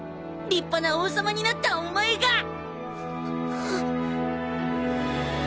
立派な王様になったお前が！